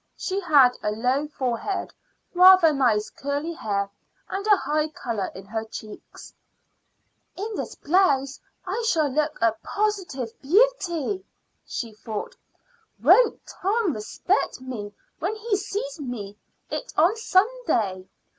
She had a low forehead, rather nice curly hair, and a high color in her cheeks. "In this blouse I shall look a positive beauty," she thought. "Won't Tom respect me when he sees me in it on Sunday?